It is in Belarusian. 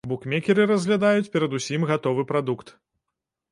Букмекеры разглядаюць перадусім гатовы прадукт.